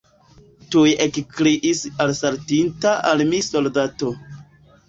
Tuj ekkriis alsaltinta al mi soldato.